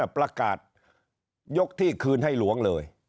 ประกาศยกที่คืนให้หลวงเลย